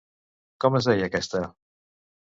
Com es deia aquesta?